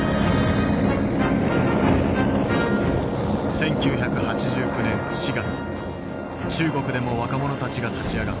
１９８９年４月中国でも若者たちが立ち上がった。